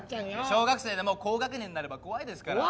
小学生でも高学年になれば怖いですから。